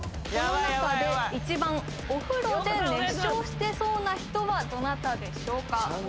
この中で１番お風呂で熱唱してそうな人はどなたでしょうか？